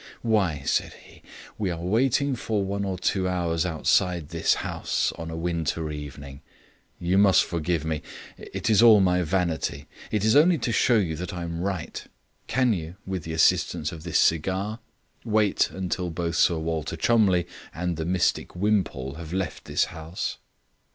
"Why," said he, "we are waiting for one or two hours outside this house on a winter evening. You must forgive me; it is all my vanity. It is only to show you that I am right. Can you, with the assistance of this cigar, wait until both Sir Walter Cholmondeliegh and the mystic Wimpole have left this house?"